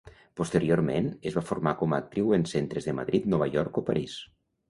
Posteriorment, es va formar com a actriu en centres de Madrid, Nova York o París.